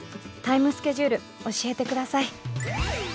タイムスケジュール教えてください。